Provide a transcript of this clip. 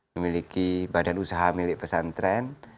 memiliki badan usaha milik pesantren